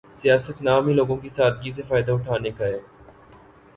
سیاست نام ہی لوگوں کی سادگی سے فائدہ اٹھانے کا ہے۔